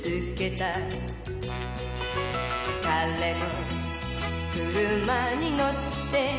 「彼の車にのって」